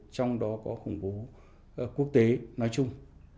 trong đó có khủng bố quốc tế nói chung